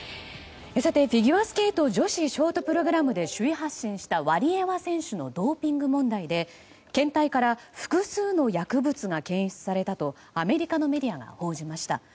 さて、フィギュアスケート女子ショートプログラムで首位発進したワリエワ選手のドーピング問題で検体から複数の薬物が検出されたとアメリカのメディアが報じました。